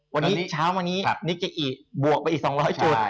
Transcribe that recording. วันนี้เช้าวันนี้นิเจอิบวกไปอีก๒๐๐จุด